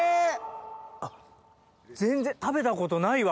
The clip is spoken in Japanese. あっ全然食べたことないわ